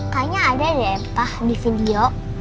kayaknya ada deh pak di video